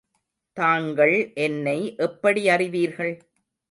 தாங்கள் என்னை எப்படி அறிவீர்கள்?